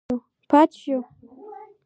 پاتې شو.